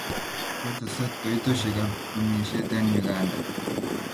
koktesak kaitoshek ab rumishet en Uganda